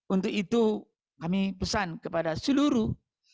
untuk itu kami pesan kepada seluruh